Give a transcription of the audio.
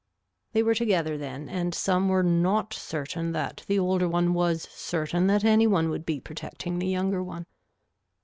They were together then and some were not certain that the older one was certain that any one would be protecting the younger one.